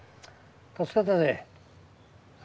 助かったぜ。